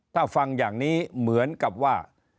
ถ้าฟังอย่างนี้เหมือนกับว่า